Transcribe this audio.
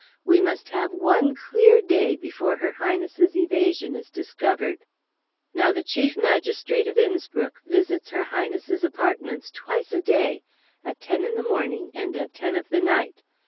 We must have one clear day before her Highness's evasion is discovered. Now, the chief magistrate of Innspruck visits her Highness's apartments twice a day, at ten in the morning and at ten of the night.